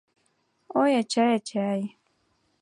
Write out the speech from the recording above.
Ой, ачай, ачай